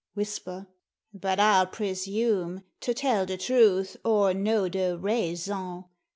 (whisper) but I'll presume To tell the truth, or know the raison.